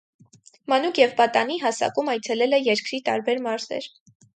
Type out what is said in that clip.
Մանուկ և պատանի հասակում այցելել է երկրի տարբեր մարզեր։